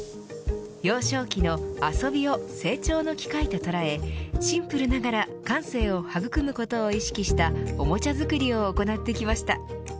幼少期の遊びを成長の機会と捉えシンプルながら感性を育むことを意識したおもちゃ作りを行ってきました。